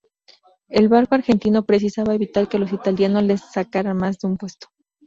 El barco argentino precisaba evitar que los italianos le sacaran más de un puesto.